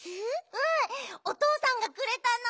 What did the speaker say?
うんおとうさんがくれたの。